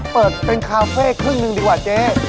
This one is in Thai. เปิดเป็นคาเฟ่ครึ่งหนึ่งดีกว่าเจ๊